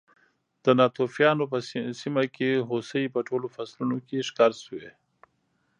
د ناتوفیانو په سیمه کې هوسۍ په ټولو فصلونو کې ښکار شوې.